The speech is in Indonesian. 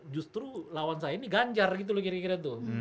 justru lawan saya ini ganjar gitu loh kira kira tuh